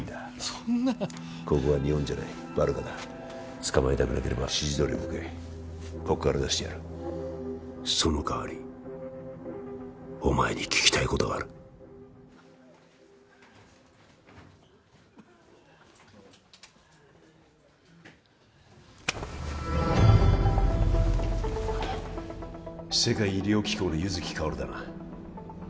そんなここは日本じゃないバルカだ捕まりたくなければ指示どおり動けこっから出してやるそのかわりお前に聞きたいことがある世界医療機構の柚木薫だな